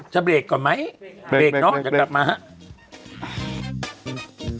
จะเบรกก่อนไหมเบรกเนอะเดี๋ยวกลับมาครับ